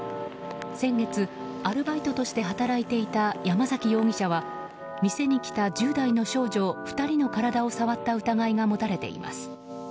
先月、アルバイトとして働いていた山崎容疑者は店に来た１０代の少女２人の体を触った疑いが持たれています。